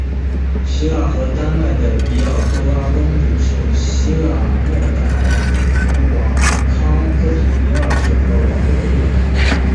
希腊和丹麦的狄奥多拉公主是希腊未代国王康斯坦丁二世和王后的幼女。